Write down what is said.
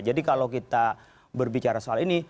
jadi kalau kita berbicara soal ini